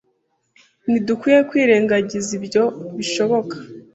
Ntidukwiye kwirengagiza ibyo bishoboka